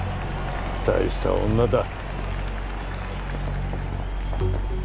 大した女だ。